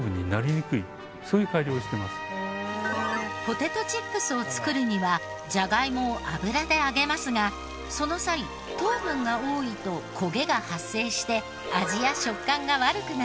ポテトチップスを作るにはじゃがいもを油で揚げますがその際糖分が多いと焦げが発生して味や食感が悪くなります。